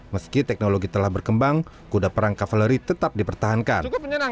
meski teknologi telah berkembang kuda perang kavaleri tetap dipertahankan